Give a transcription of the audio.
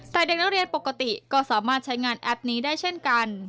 แต่เด็กนักเรียนปกติก็สามารถใช้งานแอปนี้ได้เช่นกัน